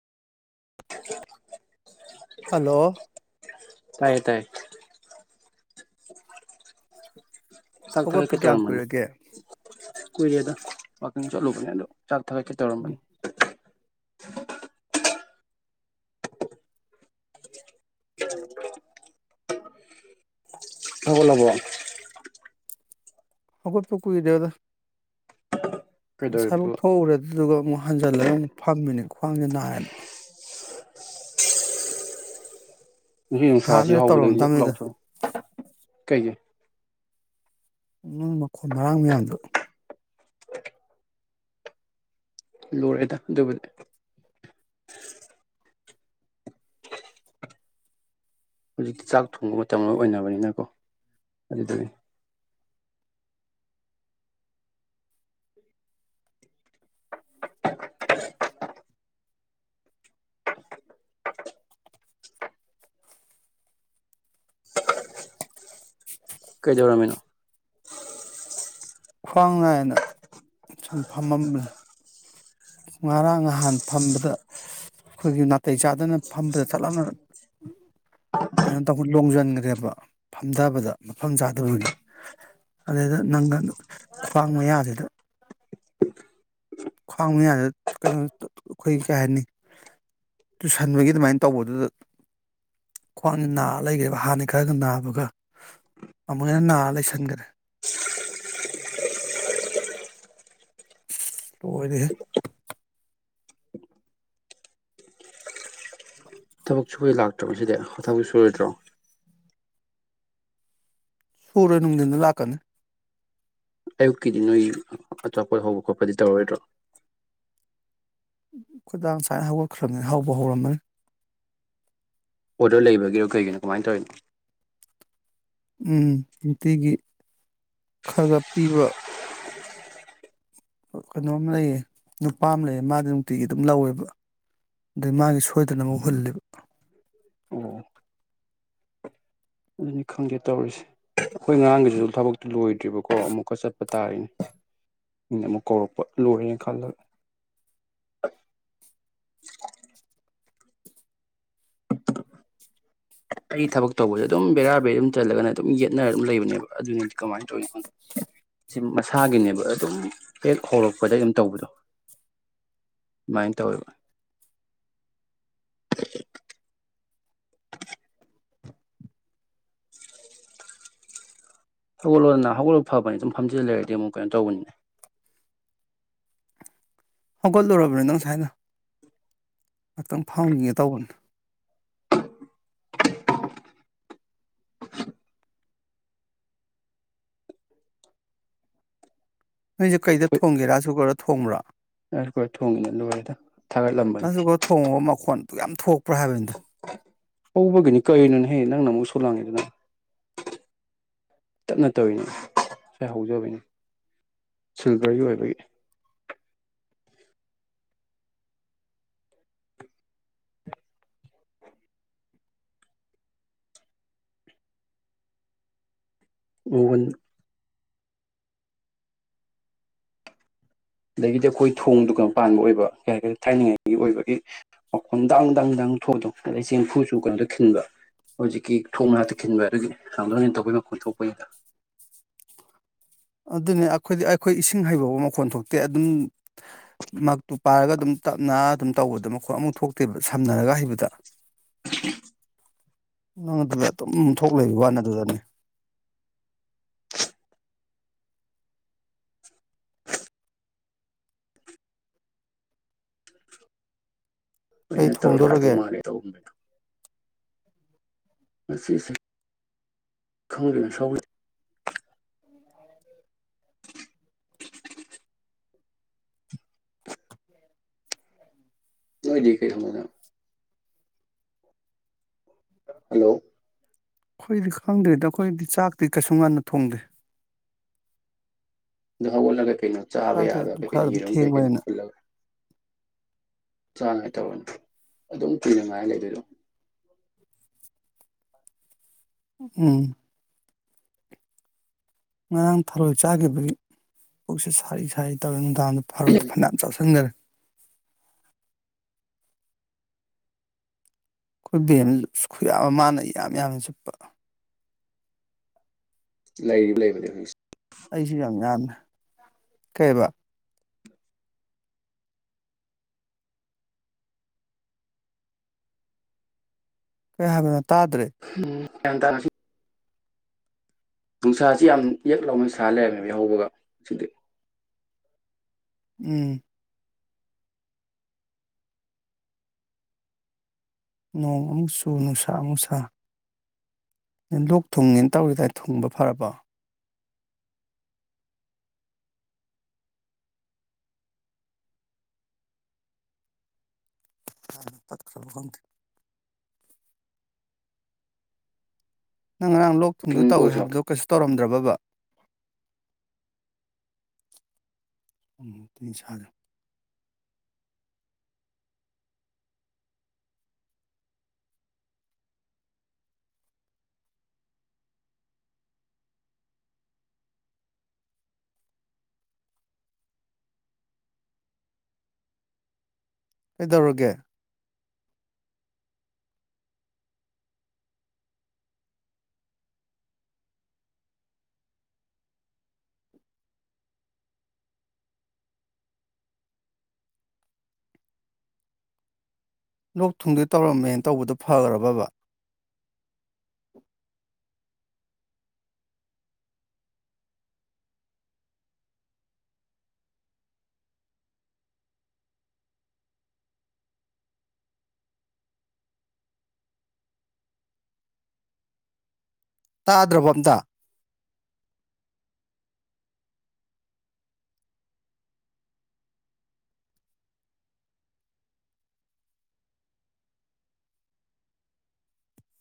[unintelligible] hello ꯇꯥꯏꯌꯦ ꯇꯥꯏꯌꯦ ꯆꯥꯛ ꯍꯧꯒꯠꯄ ꯀꯌꯥꯝ ꯀꯨꯏꯔꯒꯦ ꯀꯏꯔꯦꯗ ꯋꯥꯀꯤꯡ ꯆꯂꯨꯕ ꯑꯗꯣ ꯆꯔ ꯊꯦꯛ ꯈꯈꯤ ꯆꯔꯝꯝꯕꯦꯟ ꯎꯝ ꯍꯕꯣ ꯂꯕꯣ ꯍꯧꯒꯠꯄ ꯀꯨꯏꯗꯦꯗ ꯑꯁꯥꯏꯕꯧ ꯀꯩꯗꯧꯔꯤꯕꯗꯨꯕ ꯊꯣꯛꯎꯔꯗꯤ ꯑꯗꯨꯒ ꯑꯃꯨꯛ ꯍꯟꯖꯜꯂꯒ ꯑꯃꯨꯛ ꯐꯝꯃꯤꯅꯦ ꯈ꯭ꯋꯥꯡꯖꯦ ꯅꯥꯌꯦꯅ ꯅꯨꯡꯁꯤꯠ ꯉꯥꯏꯍꯥꯛ ꯅꯨꯡꯁꯥꯁꯤ ꯂꯩꯔ ꯍꯥꯎꯕꯗꯒꯤ ꯂꯛ ꯇꯧꯔꯝꯗꯕꯅꯤꯗ ꯂꯥꯎꯁ ꯀꯩꯒꯤ ꯃꯤꯅꯤꯟ ꯃꯈꯣꯟ ꯃꯔꯥꯡ ꯃꯌꯥꯝꯗꯨ ꯂꯣꯏꯔꯦꯗ ꯑꯗꯨꯕꯨ ꯍꯧꯖꯤꯛꯇꯤ ꯆꯥꯛ ꯊꯣꯡꯕ ꯃꯇꯝ ꯂꯣꯏ ꯑꯣꯏꯅꯕꯅꯤꯅꯀꯣ ꯑꯗꯨꯗꯒꯤ ꯀꯩꯗꯧꯔꯝꯃꯤꯅꯣ ꯈ꯭ꯋꯥꯡ ꯅꯥꯏꯅ ꯁꯨꯝ ꯐꯝꯃꯝꯕꯅꯦ ꯉꯔꯥꯡ ꯅꯍꯥꯟ ꯐꯝꯕꯗ ꯑꯩꯈꯣꯏꯒꯤ ꯅꯥꯇꯩ ꯆꯥꯗꯅ ꯐꯝꯕꯗ ꯆꯠꯂꯞꯅ ꯀꯩꯅꯣ ꯇꯧ ꯂꯣꯡꯁꯤꯟꯈ꯭ꯔꯦꯕ ꯐꯝꯊꯕꯗ ꯃꯐꯝ ꯆꯥꯗꯕꯒꯤ ꯑꯗꯨꯗ ꯅꯪꯒ ꯈ꯭ꯋꯥꯡ ꯃꯌꯥꯁꯤꯗ ꯈ꯭ꯋꯥꯡ ꯃꯌꯥꯗ ꯊꯨ ꯀꯩꯅꯣ ꯑꯩꯈꯣꯏ ꯀꯩ ꯍꯥꯏꯅꯤ ꯇꯨꯁꯟꯕꯒꯤ ꯑꯗꯨꯃꯥꯏꯅ ꯇꯧꯕꯗꯨꯗ ꯈ꯭ꯋꯥꯡꯁꯤ ꯅꯥꯔ ꯂꯩꯈ꯭ꯔꯦꯕ ꯍꯥꯟꯅꯩ ꯈꯔꯒ ꯅꯥꯕꯒ ꯑꯃꯨꯛ ꯍꯟꯅ ꯅꯥꯔ ꯂꯩꯁꯟꯒꯔꯦ ꯂꯣꯏꯗꯦ ꯊꯕꯛ ꯁꯨꯕꯣꯏ ꯂꯥꯛꯇ꯭ꯔꯕꯁꯤꯗꯤ ꯊꯕ ꯁꯣꯏꯨꯔꯣꯏꯗ꯭ꯔꯣ ꯁꯨꯔꯦ ꯅꯨꯡꯊꯤꯟꯗ ꯂꯥꯛꯀꯅꯤ ꯑꯌꯨꯛꯀꯤꯗꯤ ꯅꯣꯏ ꯑꯆꯥꯄꯣꯠ ꯍꯧꯕ ꯈꯣꯠꯄꯗꯤ ꯇꯧꯔꯔꯣꯏꯗ꯭ꯔꯣ ꯈꯨꯣꯏꯗꯥꯡ ꯁꯨꯋꯥꯥꯏꯅ ꯍꯧꯒꯠꯈ꯭ꯔꯅꯤ ꯍꯧꯕ ꯍꯧꯔꯝꯃꯅꯤ ꯑꯣꯔꯗꯔ ꯂꯩꯕꯒꯤꯔꯣ ꯀꯩꯒꯤꯅꯣ ꯀꯃꯥꯏꯅ ꯇꯧꯔꯤꯅꯣ ꯎꯝ ꯅꯨꯡꯇꯤꯒꯤ ꯈꯔꯒ ꯄꯤꯕ ꯀꯩꯅꯣꯝ ꯂꯩꯌꯦ ꯅꯨꯄꯥ ꯑꯃ ꯂꯩꯌꯦ ꯃꯥꯗꯤ ꯅꯨꯡꯇꯤꯒꯤ ꯑꯗꯨꯝ ꯂꯧꯋꯦꯕ ꯑꯗꯨꯏ ꯃꯥꯒꯤ ꯁꯣꯏꯗꯅ ꯑꯃꯨꯛ ꯍꯨꯜꯂꯦꯕ ꯑꯣ ꯑꯗꯨꯅꯤ ꯈꯪꯗꯦ ꯇꯧꯔꯤꯁꯦ ꯑꯩꯈꯣꯏ ꯑꯉꯥꯡꯒꯤꯁꯨ ꯊꯕꯛꯇꯨ ꯂꯣꯏꯗꯦ ꯇ꯭ꯔꯤꯕꯀꯣ ꯑꯃꯨꯛꯀ ꯆꯠ ꯇꯥꯔꯦꯅꯦ ꯑꯩꯅ ꯑꯃꯨꯛ ꯀꯧꯔꯛꯄ ꯂꯣꯏꯔꯦꯅ ꯈꯜꯂꯒ ꯑꯩ ꯊꯕꯛ ꯇꯧꯕꯁꯦ ꯑꯗꯨꯝ ꯕꯦꯔꯥ ꯕꯦꯔ ꯑꯗꯨꯝ ꯆꯜꯂꯒꯅ ꯑꯗꯨꯝ ꯌꯦꯠꯅꯔ ꯑꯗꯨꯝ ꯂꯩꯕꯅꯦꯕ ꯑꯗꯨꯅꯤꯗꯤ ꯀꯃꯥꯏꯅ ꯇꯧꯏꯣꯗ ꯁꯤ ꯃꯁꯥꯒꯤꯅꯦꯕ ꯑꯗꯨꯝ ꯍꯦꯛ ꯍꯧꯔꯛꯄꯗ ꯑꯗꯨꯝ ꯇꯧꯕꯗꯣ ꯑꯗꯨꯃꯥꯏꯅ ꯇꯧꯋꯦꯕ [unintelligible] ꯍꯧꯒꯠꯂꯛꯑꯣꯗꯅ ꯍꯧꯒꯠꯂ ꯐꯕꯅꯤ ꯁꯨꯝ ꯐꯐꯝꯁꯤꯗ ꯂꯩꯔꯗꯤ ꯑꯃꯨꯛ ꯀꯩꯅꯣ ꯇꯧꯕꯅꯤꯅꯦ ꯍꯧꯒꯠꯂꯨꯔꯕꯅꯤ ꯅꯪ ꯁꯁꯥꯏꯅ ꯉꯥꯛꯇꯪ ꯐꯪꯈꯤꯒꯦ ꯇꯧꯕꯅꯤ ꯀꯩꯗ ꯊꯣꯡꯒꯦꯁꯨꯒꯔ ꯊꯣꯡꯕ꯭ꯔꯥ ꯑꯈꯣꯏ ꯊꯣꯡꯉꯦꯅ ꯂꯣꯏꯔꯦꯗ ꯊꯥꯒꯠꯂꯝꯕꯅꯤ ꯑꯗꯨ ꯌꯥꯝ ꯊꯣꯛ ꯄꯍꯥꯕꯤꯦꯟꯗ꯭ꯔ ꯑꯣꯕꯒꯅꯤ ꯀꯅ ꯍꯦ ꯅꯪꯅ ꯃꯨꯁꯣꯔ ꯂꯥꯡ ꯑꯗꯨꯅ ꯇꯞꯅ ꯇꯧꯅꯤ ꯁꯥꯏ ꯍꯧꯖꯕꯅꯤ ꯁꯤꯜꯚꯔꯒꯤ ꯑꯣꯏꯕꯒꯤ ꯑꯣꯕꯟ ꯑꯗꯒꯤꯗꯤ ꯑꯩꯈꯣꯏ ꯊꯣꯡꯗꯣ ꯀꯩꯅꯣ ꯄꯥꯟꯕ ꯑꯣꯏꯕ ꯀꯩ ꯍꯥꯏ ꯀ ꯊꯥꯏꯅꯉꯥꯏꯒꯤ ꯑꯣꯏꯕꯒꯤ ꯃꯈꯣꯟ ꯗꯪ ꯗꯪ ꯗꯪ ꯊꯣꯛꯗꯣ ꯑꯗꯗꯒꯤ ꯆꯦꯡꯐꯨꯁꯨ ꯀꯩꯅꯣꯗ ꯈꯤꯟꯕ ꯍꯧꯖꯤꯛꯀꯤ ꯊꯣꯡ ꯉꯅꯥꯇ ꯈꯤꯟꯕ ꯑꯗꯨꯒꯤ ꯆꯥꯡꯊꯣꯛꯅ ꯇꯧꯕꯒꯤ ꯃꯈꯨꯣꯟ ꯊꯣꯛꯄꯒꯤꯗ ꯑꯗꯨꯅꯦ ꯑꯩꯈꯣꯏꯗꯤ ꯑꯩꯈꯣꯏ ꯏꯁꯤꯡ ꯍꯩꯕ ꯃꯈꯣꯟ ꯊꯣꯛꯇꯦ ꯑꯗꯨꯝ ꯃꯛꯇꯨ ꯄꯥꯏꯔꯒ ꯑꯗꯨꯝ ꯇꯞꯅ ꯑꯗꯨꯝ ꯇꯧꯕꯗ ꯃꯈꯣꯟ ꯑꯃꯨꯛ ꯊꯣꯛꯇꯦꯕ ꯁꯝꯅꯔꯒ ꯍꯩꯕꯗ ꯑꯉꯥꯡ ꯑꯗꯨꯗ ꯑꯗꯨꯝ ꯊꯣꯛꯂꯕ ꯋꯥꯅ ꯑꯗꯨꯗꯅꯦ ꯀꯩ ꯑꯩꯅ ꯇꯧꯔ ꯌꯥꯗꯧ ꯊꯣꯡꯗꯣꯔꯒꯦ ꯃꯥꯜꯂꯦ ꯇꯧꯕꯗ ꯉꯁ ꯈꯪ ꯁ ꯅꯗꯤ ꯊꯅ ꯍꯜꯂꯣ ꯑꯩꯈꯣꯏꯗꯤ ꯈꯪꯗꯦꯗ ꯑꯩꯈꯣꯏꯗꯤ ꯆꯥꯛꯇꯤ ꯀꯩꯁꯨ ꯉꯥꯟꯟꯅ ꯊꯣꯡꯗꯦ ꯍꯕꯣ ꯂꯒꯦ ꯀꯩꯅꯣ ꯆꯥꯕ ꯆꯥꯛꯇꯤ ꯌꯥꯕ ꯑꯗꯨꯝ ꯀꯩꯀꯩꯅ ꯈꯔ ꯑꯗꯨꯝ ꯌꯦꯔꯨꯝ ꯀꯩꯀꯩꯅꯣ ꯊꯦꯡꯕꯅꯤꯅ ꯄꯨꯜꯂꯒ ꯆꯥꯅꯉꯥꯏ ꯇꯧꯔꯅꯤ ꯑꯗꯨꯝ ꯀꯨꯏꯅꯉꯥꯏ ꯂꯩꯗꯣꯏꯗꯣ ꯎꯝ ꯉꯔꯥꯡ ꯊꯥꯔꯣꯏ ꯆꯥꯈꯤꯕꯒꯤ ꯄꯨꯛꯁ ꯁꯥꯔꯤ ꯁꯥꯔꯤ ꯇꯧꯔ ꯗꯥꯗ ꯐꯥꯔꯨꯗ ꯐꯅꯌꯥꯝ ꯆꯥꯎꯁꯤꯟꯈꯔꯦ ꯑꯩꯈꯣꯏ ꯕꯦꯟ ꯈꯨꯌꯥꯕ ꯃꯥꯅ ꯌꯥꯝ ꯌꯥꯝꯅ ꯆꯠꯄ ꯂꯩ ꯂꯩꯕꯅꯦ ꯍꯧꯖꯤꯛꯁ ꯑꯩꯁꯨ ꯌꯥꯝ ꯌꯥꯝꯃꯦ ꯀꯩꯕ ꯀ ꯍꯥꯏꯒ ꯇꯥꯗ꯭ꯔꯦ ꯆꯟ ꯇ ꯅꯨꯡꯁꯥꯁꯤ ꯌꯥꯝ ꯏꯛ ꯂꯥꯎꯅ ꯅꯨꯡꯁꯥ ꯂꯩꯔꯝꯃꯦꯕ ꯌꯥꯍꯧꯕꯒ ꯑꯁꯤꯗꯤ ꯎꯝ ꯅꯣꯡ ꯑꯃꯨꯛ ꯆꯨ ꯅꯨꯡꯁꯥ ꯑꯃꯨꯛꯁꯥ ꯅ ꯂꯣꯛ ꯊꯨꯡꯉꯦꯅ ꯇꯧꯔꯤꯗꯥ ꯊꯨꯡꯕ ꯐꯔꯕꯣ ꯄꯠꯇ꯭ꯔ ꯍꯍꯗ ꯅꯪ ꯉꯔꯥꯡ ꯂꯣꯛ ꯊꯨꯡꯗꯨ ꯋꯥꯀꯤꯡ ꯇꯧꯋꯦ ꯄꯣꯁꯤ ꯍꯥꯏꯕꯗꯣ ꯀꯩꯁꯨ ꯇꯧꯔꯝꯗ꯭ꯔꯕ ꯎꯝ ꯊ ꯁꯗ ꯀꯩꯗꯧꯔꯒꯦ ꯂꯣꯛ ꯊꯨꯡꯗꯤ ꯇꯧꯔꯝꯃꯦꯅ ꯇꯧꯕꯗꯨꯣ ꯐꯈ꯭ꯔꯕꯕ [unintelligible] ꯇꯥꯗ꯭ꯔꯕ ꯑꯝꯇ